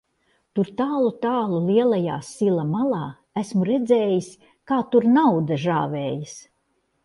Tur tālu, tālu lielajā sila malā, esmu redzējis, kā tur nauda žāvējas.